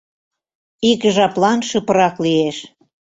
Ик жаплан шыпрак лиеш...